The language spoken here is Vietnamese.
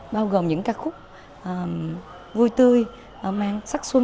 bao gồm những ca khúc vui tươi mang sắc xuân